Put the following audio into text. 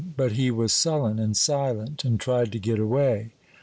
But he was sullen and silent, and tried to get away.